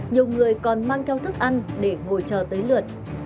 nhiều người còn mang theo thức ăn để ngồi chờ tới lượt